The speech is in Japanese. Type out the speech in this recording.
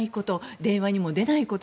電話にも出ないこと。